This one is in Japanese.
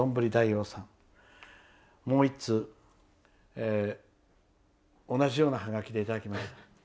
もう１通、同じようなハガキでいただきました。